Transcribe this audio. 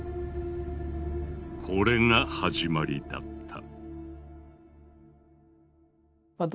これが始まりだった。